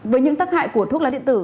với những tắc hại của thuốc lá điện tử